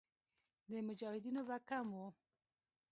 د مجاهدینو به کم وو.